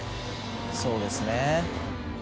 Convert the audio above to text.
そうですね。